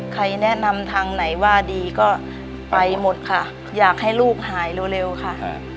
ใครแนะนำทางไหนว่าดีก็ไปหมดค่ะอยากให้ลูกหายเร็วค่ะ